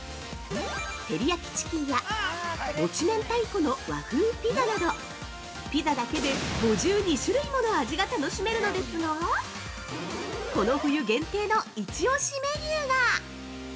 テリヤキチキンやもち明太子の和風ピザなどピザだけで５２種類もの味が楽しめるのですがこの冬限定の一押しメニューが◆